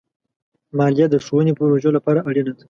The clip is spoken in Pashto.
مالیه د ښوونې پروژو لپاره اړینه ده.